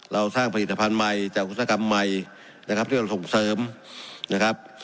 เราสร้างผลิตภัณฑ์ใหม่จากอุตสาหกรรมใหม่นะครับที่เราส่งเสริมนะครับ